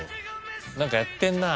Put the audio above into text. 何かやってんなあ。